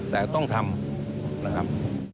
แต่ต้องทำนะครับ